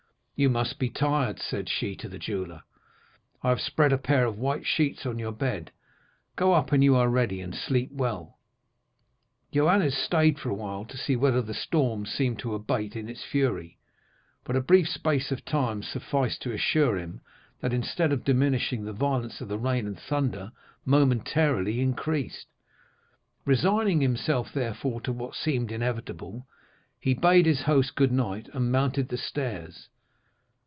"'You must be tired,' said she to the jeweller; 'I have spread a pair of white sheets on your bed; go up when you are ready, and sleep well.' "Joannes stayed for a while to see whether the storm seemed to abate in its fury, but a brief space of time sufficed to assure him that, instead of diminishing, the violence of the rain and thunder momentarily increased; resigning himself, therefore, to what seemed inevitable, he bade his host good night, and mounted the stairs.